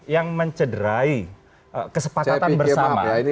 yang mencederai kesepakatan bersama